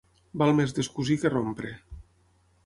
Val més descosir que rompre.